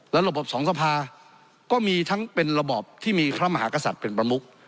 ระบบสองสภาก็มีทั้งเป็นระบอบที่มีพระมหากษัตริย์เป็นประมุก